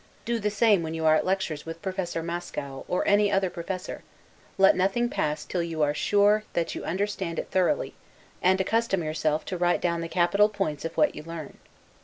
Do the same when you are at lectures with Professor Mascow, or any other professor; let nothing pass till you are sure that you understand it thoroughly; and accustom yourself to write down the capital points of what you learn.